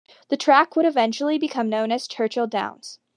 The track would eventually become known as Churchill Downs.